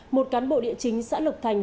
một cán bộ địa chính xã lục thành